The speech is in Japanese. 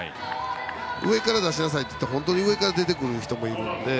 上から出しなさいというと本当に上から出る人もいるので。